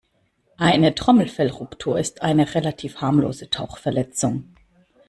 Eine Trommelfellruptur ist eine relativ harmlose Tauchverletzung.